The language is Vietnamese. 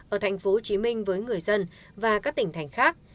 ở tp hcm với người dân và các tỉnh thành khác